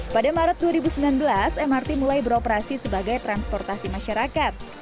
pada maret dua ribu sembilan belas mrt mulai beroperasi sebagai transportasi masyarakat